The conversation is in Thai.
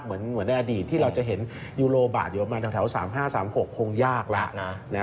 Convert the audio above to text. เหมือนในอดีตที่เราจะเห็นยูโรบาทอยู่ประมาณแถว๓๕๓๖คงยากแล้วนะ